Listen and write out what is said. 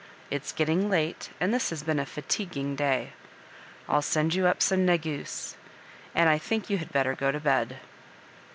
It's getting late, and this has been a fatiguing day. I'll send you up some negus, and I think you had better go to bed."